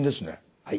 はい。